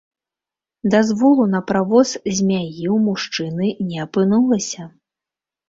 Дазволу на правоз змяі ў мужчыны не апынулася.